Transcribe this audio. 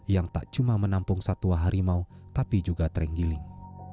yang tak cuma menampung satwa harimau tapi juga terenggiling